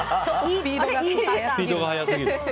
スピードが速すぎる。